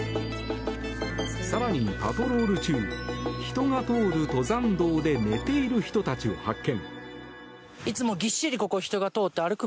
更に、パトロール中人が通る登山道で寝ている人たちを発見。